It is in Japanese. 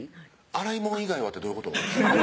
「洗いもん以外は」ってどういうこと？